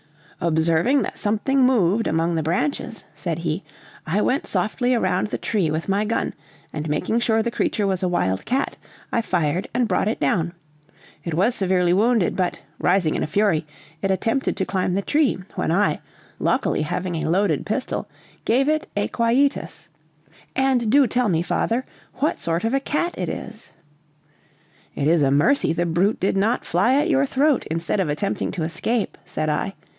"Observing that something moved among the branches," said he, "I went softly around the tree with my gun, and making sure the creature was a wild cat, I fired and brought it down. It was severely wounded, but, rising in a fury, it attempted to climb the tree, when I, luckily having a loaded pistol, gave it a quietus. And do tell me, father, what sort of a cat it is." "It is a mercy the brute did not fly at your throat instead of attempting to escape," said I.